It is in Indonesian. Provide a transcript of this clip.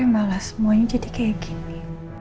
malah semuanya jadi kayak gini